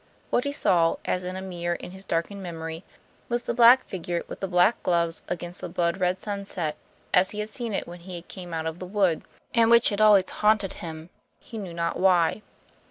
What he saw, as in a mirror in his darkened memory, was the black figure with the black gloves against the blood red sunset, as he had seen it when he came out of the wood, and which had always haunted him, he knew not why.